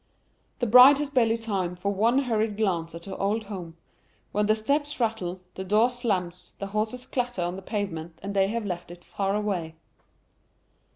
The bride has barely time for one hurried glance at her old home, when the steps rattle, the door slams, the horses clatter on the pavement, and they have left it far away.